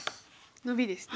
ノビですね。